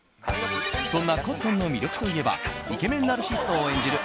そんなコットンの魅力といえばイケメンナルシストを演じる